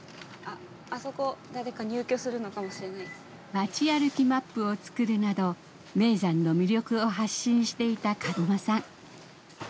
町歩きマップを作るなど名山の魅力を発信していた門間さん。